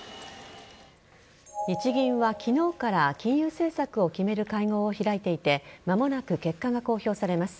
日銀は昨日から金融政策を決める会合を開いていて間もなく結果が公表されます。